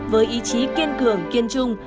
với ý chí kiên cường kiên trung